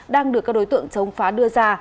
đang được các đối tượng chống phá đưa ra